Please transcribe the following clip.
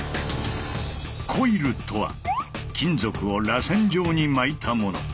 コイルとは金属をらせん状に巻いたもの。